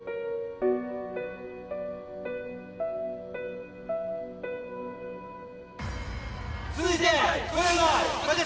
はい！